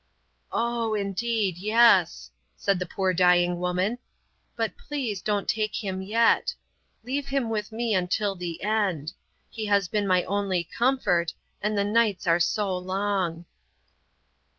"Oh, indeed, yes," said the poor dying woman, "but please don't take him yet. Leave him with me until the end. He has been my only comfort and the nights are so long."